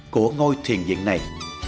của ngôi thiền viện này